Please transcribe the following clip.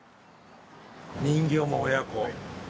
人形も親子。